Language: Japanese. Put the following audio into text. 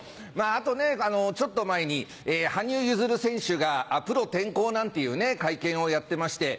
あとねちょっと前に羽生結弦選手がプロ転向なんていう会見をやってまして。